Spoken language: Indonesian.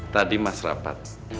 tadi mas rapat